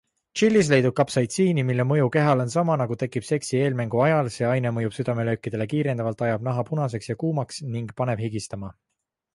Tšillis leidub kapsaitsiini, mille mõju kehale on sama, nagu tekib seksi eelmängu ajal - see aine mõjub südamelöökidele kiirendavalt, ajab naha punaseks ja kuumaks ning paneb higistama.